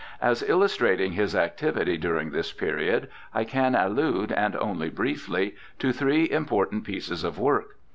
As illustrating his activity during this period, I can allude, and only briefly, to three im portant pieces of work.